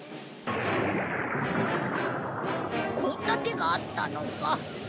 こんな手があったのか！